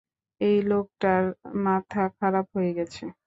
এই লোকটার মাথা খারাপ হয়ে গেছে!